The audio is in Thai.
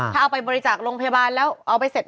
ถ้าเอาไปบริจาคโรงพยาบาลแล้วเอาไปเสร็จ